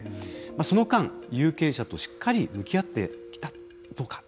その間有権者としっかり向き合ってきたかどうか。